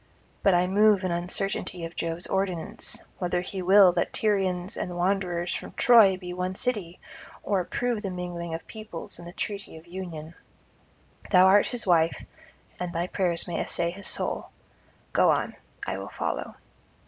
But I move in uncertainty of Jove's ordinance, whether he will that Tyrians and wanderers from Troy be one city, or approve the mingling of peoples and the treaty of union. Thou art his wife, and thy prayers may essay his soul. Go on; I will follow.'